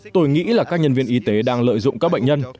tôi nghĩ là các nhân viên y tế đang lợi dụng các bệnh nhân